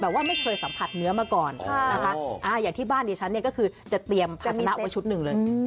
แต่ว่าไม่เคยสัมผัสเนื้อมาก่อนนะคะอย่างที่บ้านดิฉันเนี่ยก็คือจะเตรียมภาษณะไว้ชุดหนึ่งเลย